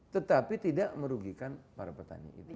tetapi tidak merugikan para petani itu